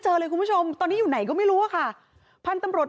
เลยคุณผู้ชมตอนนี้อยู่ไหนก็ไม่รู้อะค่ะพันธุ์ตำรวจ